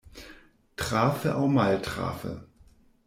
Trafe aŭ maltrafe.